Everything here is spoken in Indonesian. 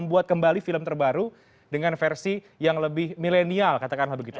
membuat kembali film terbaru dengan versi yang lebih milenial katakanlah begitu